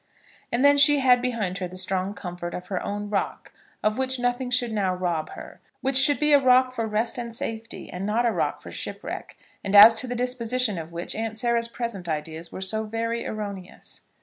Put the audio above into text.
And then she had behind her the strong comfort of her own rock, of which nothing should now rob her, which should be a rock for rest and safety, and not a rock for shipwreck, and as to the disposition of which Aunt Sarah's present ideas were so very erroneous!